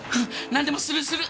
何でもするする！